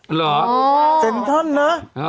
อ้อวเหอะเทนทัลนะ